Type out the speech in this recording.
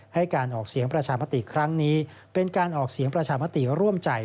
ให้การออกเสียงประชามติครั้งนี้เป็นการออกเสียงประชามติร่วมใจ